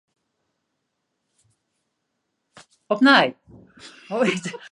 Opnij.